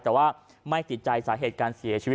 แต่ว่าไม่ติดใจสาเหตุการเสียชีวิต